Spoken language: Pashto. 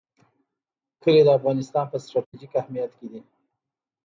کلي د افغانستان په ستراتیژیک اهمیت کې دي.